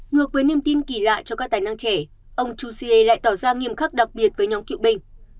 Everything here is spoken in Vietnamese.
ngược với niềm tin kỳ lạ cho các tài năng trẻ ông jouzier lại tỏ ra nghiêm khắc đặc biệt với nhóm cựu binh